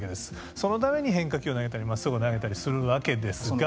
そのために変化球を投げたりまっすぐを投げたりするわけですが。